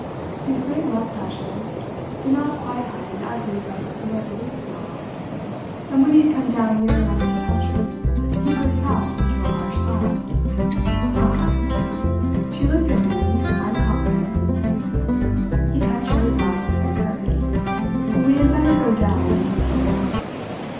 His great moustaches did not quite hide an ugly but irresolute smile; and when he had come down near enough to touch her, he burst out into a harsh laugh: "Ha, ha, ha!" She looked at him, uncomprehending. He cut short his laugh and said curtly: "We had better go down as we came."